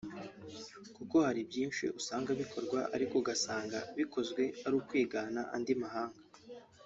kuko hari byinshi usanga bikorwa ariko ugasanga bikozwe ari ukwigana andi mahanga